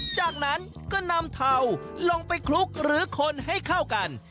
จากนั้นก็นำเทาลงไปคลุกหรือคนให้เข้ากัน